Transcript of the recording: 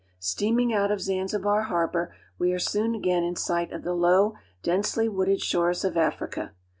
Steaming out of Zanzibar harbor, we are soon again in sight of the low, densely wooded shores of Africa.